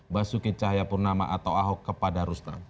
basuki cahayapurnama atau ahok kepada rustam